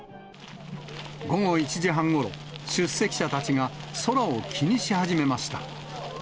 午後１時半ごろ、出席者たちが空を気にし始めました。